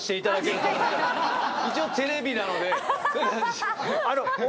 一応テレビなので。